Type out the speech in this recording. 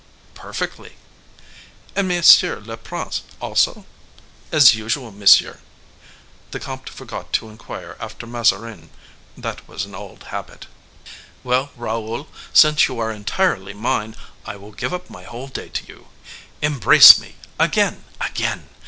"Perfectly." "And monsieur le prince also?" "As usual, monsieur." The comte forgot to inquire after Mazarin; that was an old habit. "Well, Raoul, since you are entirely mine, I will give up my whole day to you. Embrace me—again, again!